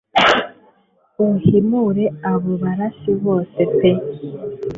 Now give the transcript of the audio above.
uhimure abo barasi bose pe